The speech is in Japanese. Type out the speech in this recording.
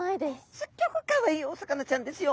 すっギョくかわいいお魚ちゃんですよ。